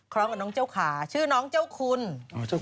คลอดน้องผู้ชายไหมลูกผู้ชายนะครับ